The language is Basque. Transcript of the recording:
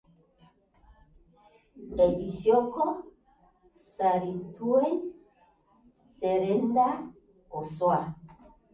Edizioko sarituen zerrenda osoa.